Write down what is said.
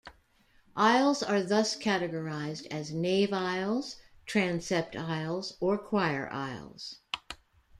Aisles are thus categorized as "nave-aisles", "transept-aisles" or "choir-aisles".